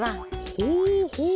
ほうほう。